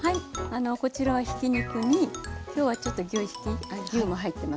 こちらはひき肉に今日はちょっと牛ひき牛も入ってます。